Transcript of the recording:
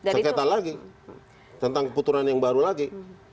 sekretar lagi tentang keputusan yang baru lagi